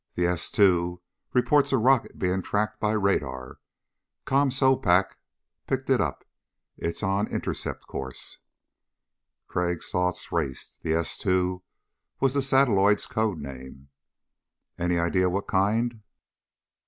"The S two reports a rocket being tracked by radar. ComSoPac's picked it up. It's on intercept course." Crag's thoughts raced. The S two was the satelloid's code name. "Any idea what kind?"